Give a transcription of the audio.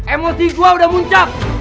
emosi gua udah muncak